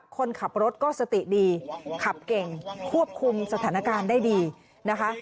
คนขับรถก็สติดีขับเก่งควบคุมสถานการณ์ได้ดีนะคะ